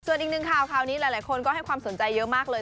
ส่วนอีกหนึ่งข่าวข่าวนี้หลายคนก็ให้ความสนใจเยอะมากเลย